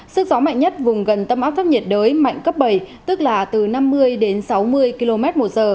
sức gió mạnh nhất vùng gần tâm áp thấp nhiệt đới mạnh cấp bảy tức là từ năm mươi đến sáu mươi km một giờ